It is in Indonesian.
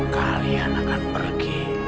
kalian akan pergi